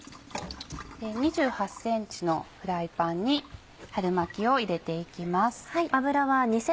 ２８ｃｍのフライパンに春巻きを入れて行きます。